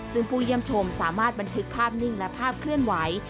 ซึ่งผู้เยี่ยมชมสามารถบันทึกภาพนิ่งและภาพเคลื่อนไหว